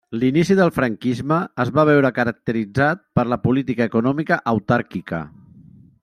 L'inici del franquisme es va veure caracteritzat per la política econòmica autàrquica.